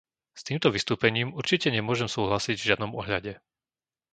S týmto vystúpením určite nemôžem súhlasiť v žiadnom ohľade.